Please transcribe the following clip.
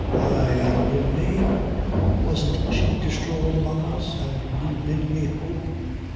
ay, an' in me? Wasn't she destroyed among us? an' you bid me hope.